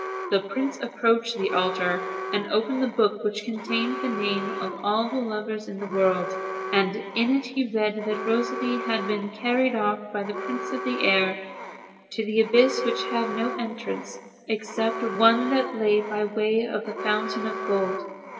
The Prince approached the altar and opened the book, which contained the names of all the lovers in the world: and in it he read that Rosalie had been carried off by the Prince of the Air to an abyss which had no entrance except the one that lay by way of the Fountain of Gold.